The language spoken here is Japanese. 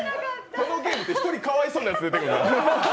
このゲーム、１人かわいそうなやつが出てくんな。